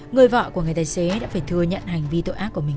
người vợ của người tài xế đã phải thừa nhận hành vi tội ác của mình